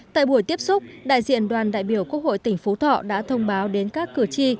tại buổi tiếp xúc đại diện đoàn đại biểu quốc hội tỉnh phú thọ đã thông báo đến các cử tri